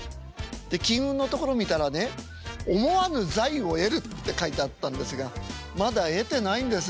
で金運のところ見たらね「思わぬ財を得る」って書いてあったんですがまだ得てないんです。